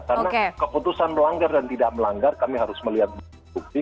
karena keputusan melanggar dan tidak melanggar kami harus melihat bukti